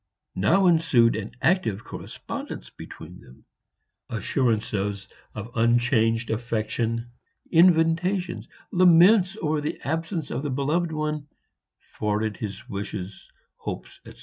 Now ensued an active correspondence between them. Assurances of unchanged affection invitations laments over the absence of the beloved one thwarted wishes hopes, etc.